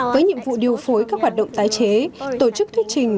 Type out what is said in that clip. với nhiệm vụ điều phối các hoạt động tái chế tổ chức thuyết trình